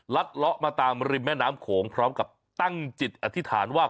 เลาะมาตามริมแม่น้ำโขงพร้อมกับตั้งจิตอธิษฐานว่า